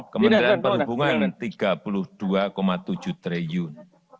kementerian perhubungan rp tiga puluh dua tujuh triliun